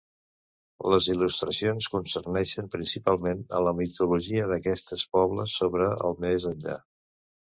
Les il·lustracions concerneixen principalment a la mitologia d'aquests pobles sobre el més enllà.